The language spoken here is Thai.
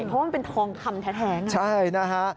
เพราะว่ามันเป็นทองคำแท้ไงใช่นะฮะ